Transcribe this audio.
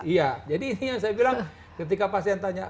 iya jadi ini yang saya bilang ketika pasien tanya